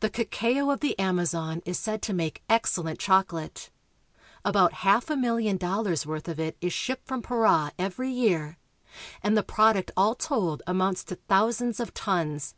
The cacao of the Amazon is said to make excellent chocolate. About half a milHon dollars' worth of it is shipped from Para every year, and the prod uct all told amounts to thousands of tons.